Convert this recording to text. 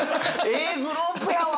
「ええグループやわ！」